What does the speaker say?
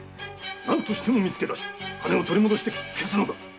何としても見つけだし金を取り戻して消すのだ！